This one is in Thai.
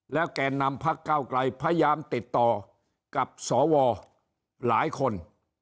แก่นำพักเก้าไกลพยายามติดต่อกับสวหลายคน